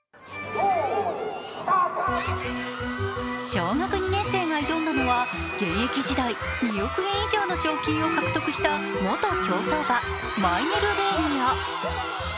小学２年生が挑んだのは現役時代２億円以上の賞金を獲得した元競走馬マイネルレーニア。